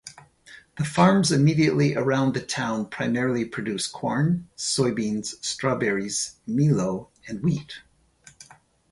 The farms immediately around the town primarily produce corn, soybeans, strawberries, milo, and wheat.